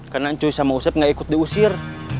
karena ncuy sama usep gak ikut diusir